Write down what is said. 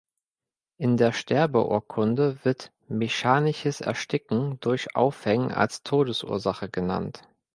In der Sterbeurkunde wird mechanisches Ersticken durch Aufhängen als Todesursache genannt.